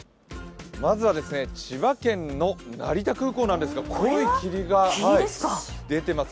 まずは千葉県の成田空港なんですが、濃い霧が出ています。